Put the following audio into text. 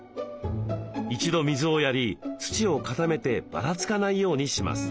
一度水をやり土を固めてばらつかないようにします。